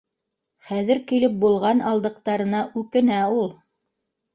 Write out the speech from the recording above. Хәҙер килеп булған алдыҡтарына үкенә ул